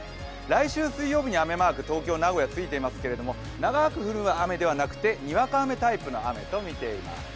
来週水曜日に雨マーク、東京、名古屋についていますが長く降る雨ではなくてにわか雨タイプの雨とみています。